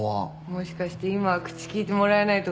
もしかして今は口利いてもらえないとか？